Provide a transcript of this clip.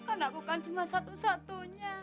anakku kan cuma satu satunya